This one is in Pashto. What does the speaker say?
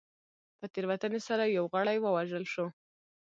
په تېروتنې سره یو غړی ووژل شو.